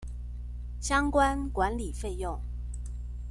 相關管理費用